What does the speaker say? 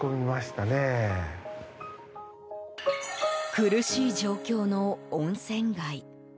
苦しい状況の温泉街。